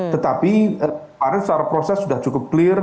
tetapi pada saat proses sudah cukup clear